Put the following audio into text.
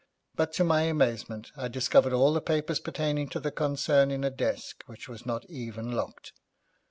But to my amazement I discovered all the papers pertaining to the concern in a desk which was not even locked.